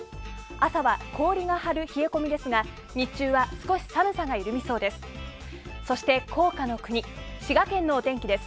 朝は氷が張る冷え込みですが日中は少し寒さが緩みそうです。